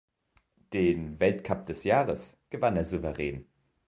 Den Weltcup des Jahres gewann er souverän.